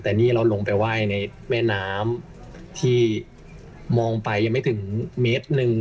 แต่นี่เราลงไปไหว้ในแม่น้ำที่มองไปยังไม่ถึงเมตรหนึ่ง